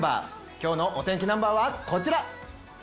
今日のお天気ナンバーはこちら！